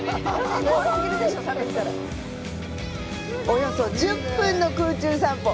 およそ１０分の空中散歩。